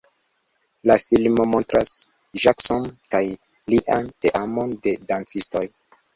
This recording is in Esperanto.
La filmo montras Jackson kaj lian teamon de dancistoj.